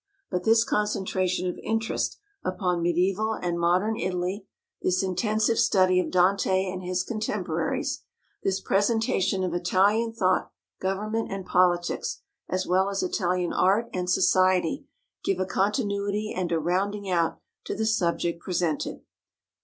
But this concentration of interest upon medieval and modern Italy, this intensive study of Dante and his contemporaries, this presentation of Italian thought, government and politics, as well as Italian art and society, give a continuity and a rounding out to the subject presented.